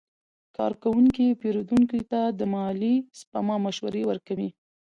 کارکوونکي پیرودونکو ته د مالي سپما مشورې ورکوي.